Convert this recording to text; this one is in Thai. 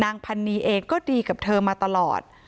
พันนีเองก็ดีกับเธอมาตลอด